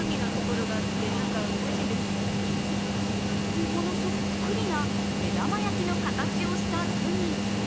本物そっくりな目玉焼きの形をしたグミ。